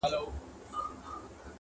څه په کار دي حکمتونه او عقلونه!.